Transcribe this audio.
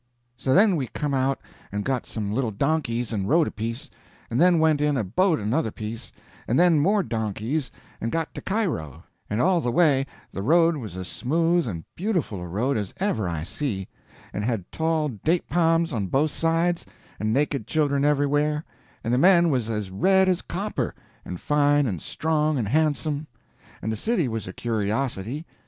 So then we come out and got some little donkeys and rode a piece, and then went in a boat another piece, and then more donkeys, and got to Cairo; and all the way the road was as smooth and beautiful a road as ever I see, and had tall date pa'ms on both sides, and naked children everywhere, and the men was as red as copper, and fine and strong and handsome. And the city was a curiosity.